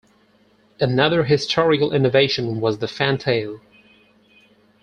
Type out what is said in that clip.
Another historical innovation was the fantail.